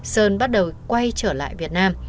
sơn bắt đầu quay trở lại việt nam